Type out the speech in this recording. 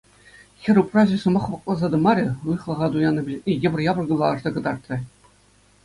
Хӗр упраҫӗ сӑмах вакласа тӑмарӗ — уйӑхлӑха туяннӑ билетне йӑпӑр-япӑр кӑларса кӑтартрӗ.